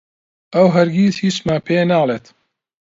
ئەو هەرگیز هیچمان پێ ناڵێت.